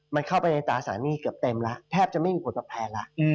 มันเข้าไปในตราสารหนี้เกือบเต็มแล้วแทบจะไม่มีผลตอบแทนแล้ว